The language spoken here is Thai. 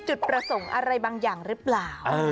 จุดประสงค์อะไรบางอย่างหรือเปล่า